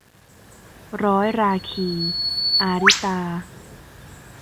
ร้อยราคี - อาริตา